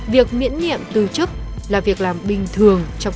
việc miễn nhiệm từ chức là việc làm bình thường